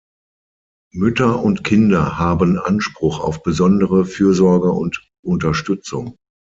Mütter und Kinder haben Anspruch auf besondere Fürsorge und Unterstützung.